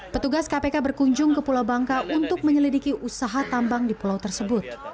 petugas kpk berkunjung ke pulau bangka untuk menyelidiki usaha tambang di pulau tersebut